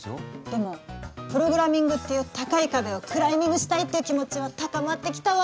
でもプログラミングっていう高い壁をクライミングしたいっていう気持ちは高まってきたわ。